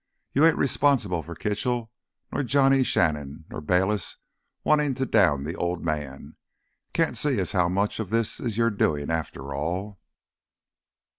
You ain't responsible for Kitchell, nor Johnny Shannon, nor Bayliss' wantin' to down th' Old Man. Can't see as how much of this is your doin', after all."